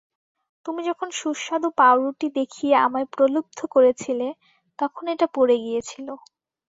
তুমি যখন সুস্বাদু পাউরুটি দেখিয়ে আমায় প্রলুব্ধ করেছিলে, তখন এটা পড়ে গিয়েছিল।